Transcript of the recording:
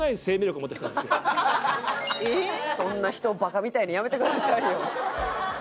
そんな人をバカみたいにやめてくださいよ。